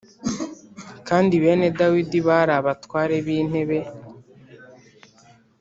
kandi bene Dawidi bari abatware b’intebe.